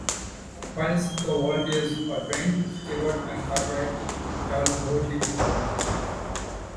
Whilst the volunteers are trained, Stewart and Cartwright travel covertly to Goa.